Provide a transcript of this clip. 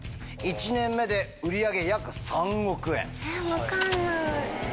分かんない。